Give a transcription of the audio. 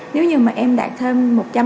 nếu như mà em đạt thêm